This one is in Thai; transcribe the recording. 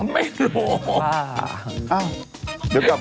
ไม่หรอก